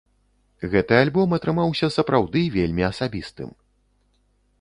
Гэты альбом атрымаўся сапраўды вельмі асабістым.